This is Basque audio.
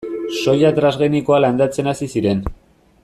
Soja transgenikoa landatzen hasi ziren.